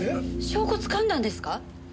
証拠つかんだんですか？